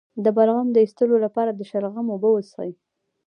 د بلغم د ایستلو لپاره د شلغم اوبه وڅښئ